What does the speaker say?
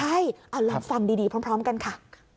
ใช่เอาลองฟังดีพร้อมกันค่ะ